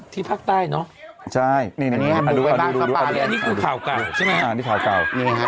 ที่ภาคใต้เนาะ